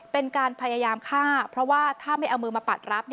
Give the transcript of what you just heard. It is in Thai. เป็นการพยายามฆ่าเพราะว่าถ้าไม่เอามือมาปัดรับ